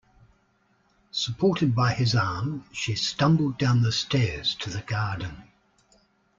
Supported by his arm she stumbled down the stairs to the garden.